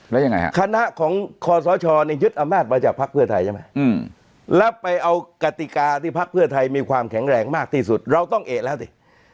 แล้วยังไงฮะคณะของคอสชเนี่ยยึดอำนาจมาจากภักดิ์เพื่อไทยใช่ไหมแล้วไปเอากติกาที่พักเพื่อไทยมีความแข็งแรงมากที่สุดเราต้องเอกแล้วสิ